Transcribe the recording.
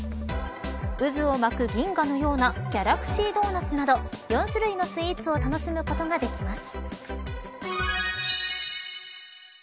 渦を巻く銀河のようなギャラクシードーナツなど４種類のスイーツを楽しむことができます。